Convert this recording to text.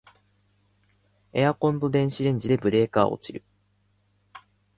エアコンと電子レンジでブレーカー落ちる